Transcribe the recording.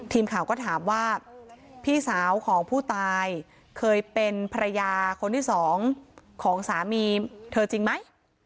ทีมข่าวก็ถามว่าพี่สาวของผู้ตายเคยเป็นภรรยาคนที่สองของสามีเธอจริงไหม